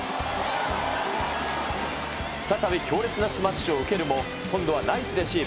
再び強烈なスマッシュを受けるも今度はナイスレシーブ。